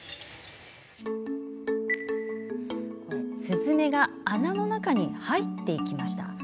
スズメが穴の中に入っていきました。